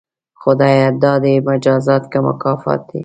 خدایه دا دې مجازات که مکافات دي؟